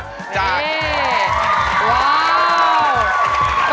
กล่องเชียร์แน่น